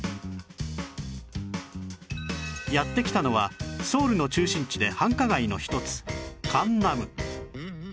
やって来たのはソウルの中心地で繁華街の一つ江南